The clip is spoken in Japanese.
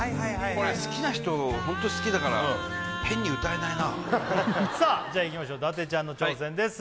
これ好きな人ホント好きだから変に歌えないなさあじゃあいきましょう伊達ちゃんの挑戦です